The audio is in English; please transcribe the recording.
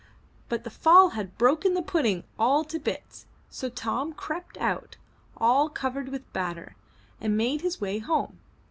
But the fall had broken the pudding all to bits, so Tom crept out, all covered with batter, and made his way home.